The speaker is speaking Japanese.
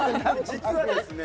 実はですね